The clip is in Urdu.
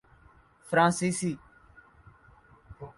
فرانسیسی